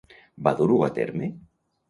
Va dur-ho a terme?